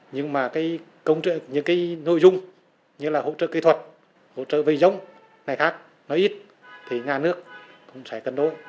nhưng mà những cái nội dung như là hỗ trợ kỹ thuật hỗ trợ về giống này khác nó ít thì nhà nước cũng sẽ cân đối